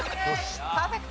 パーフェクト。